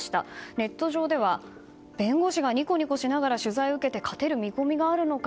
ネット上では弁護士がにこにこしながら取材を受けて勝てる見込みがあるのか？